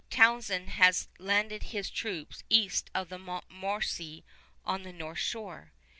Townshend has landed his troops east of the Montmorency on the north shore.